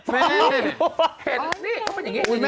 แม่นี่ค่ะ